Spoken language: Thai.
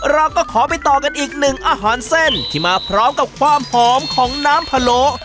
เราก็ขอไปต่อกันอีกหนึ่งอาหารเส้นที่มาพร้อมกับความหอมของน้ำพะโล